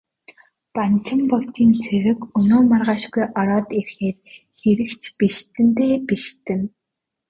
Банчин богдын цэрэг өнөө маргаашгүй ороод ирэхээр хэрэг ч бишиднэ дээ, бишиднэ.